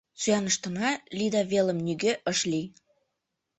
Сӱаныштына Лида велым нигӧ ыш лий.